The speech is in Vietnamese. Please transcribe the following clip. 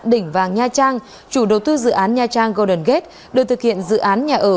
đỉnh vàng nha trang chủ đầu tư dự án nha trang golden gate được thực hiện dự án nhà ở